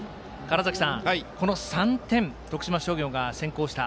川原崎さん３点、徳島商業が先行した